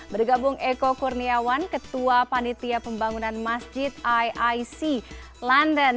bergabung eko kurniawan ketua panitia pembangunan masjid iic london